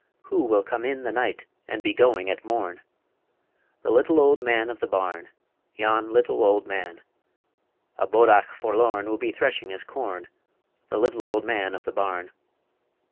Who will come in the night and be going at morn? The Little Old Man of the Barn, Yon Little Old Man A bodach forlorn will be threshing his corn, The Little Old Man of the Barn.